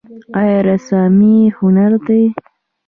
آیا رسامي هنر دی؟